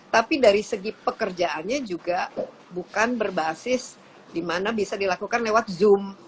tapi dari segi pekerjaannya juga bukan berbasis dimana bisa dilakukan lewat zoom